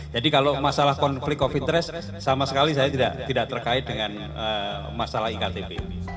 jadi kalau masalah konflik covid sembilan belas sama sekali saya tidak terkait dengan masalah iktp